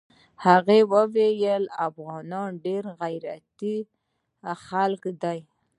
هغه ويل افغانان ډېر غيرتي خلق دي.